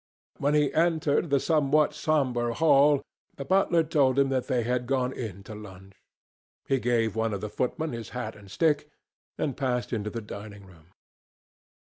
When he entered the somewhat sombre hall, the butler told him that they had gone in to lunch. He gave one of the footmen his hat and stick and passed into the dining room.